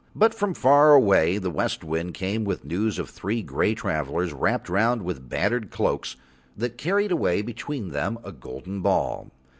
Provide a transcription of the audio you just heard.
But from far away the West Wind came with news of three grey travellers wrapt round with battered cloaks that carried away between them a golden ball.